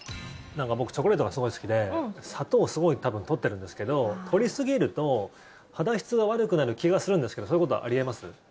僕、チョコレートがすごい好きで砂糖すごい多分取ってるんですけど取りすぎると肌質が悪くなる気がするんですけどそういうことあり得ます？